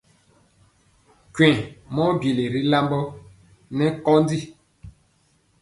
Twɛŋ mɔ byeli ri lambɔ nɛ kondi.